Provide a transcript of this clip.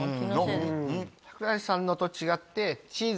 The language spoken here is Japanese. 櫻井さんのと違って。